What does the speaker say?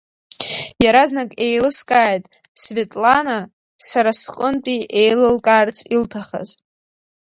Иаразнак еилыс-кааит, Светлана сара сҟынтәи еилылкаарц илҭахыз.